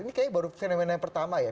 ini kayaknya baru fenomena yang pertama ya